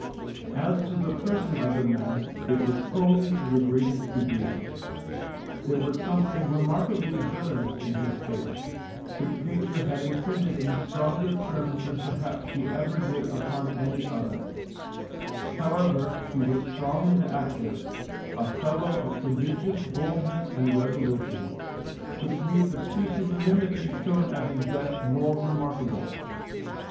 As to the person of the man, it was homely to the greatest degree. There was something remarkably villainous in his face, which nature had imprinted in stronger terms than perhaps she ever did upon any other; however, he was strong and active, a fellow of prodigious boldness and resolution, which made the pusillanimity shown at his death more remarkable.